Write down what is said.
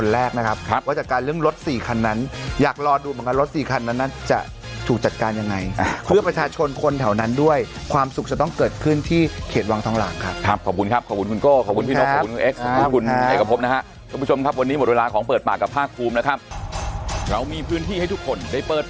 แรกนะครับครับว่าจัดการเรื่องรถสี่คันนั้นอยากรอดูเหมือนกันรถสี่คันนั้นนั้นจะถูกจัดการยังไงเพื่อประชาชนคนแถวนั้นด้วยความสุขจะต้องเกิดขึ้นที่เขตวังทองหลางครับครับขอบคุณครับขอบคุณคุณโก้ขอบคุณพี่นกขอบคุณคุณเอ็กซ์ขอบคุณคุณเอกพบนะฮะท่านผู้ชมครับวันนี้หมดเวลาของเปิดปากกับภาคภูมินะครับเรามีพื้นที่ให้ทุกคนได้เปิด